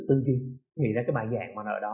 tư duy nghĩ ra cái bài giảng mà nợ đó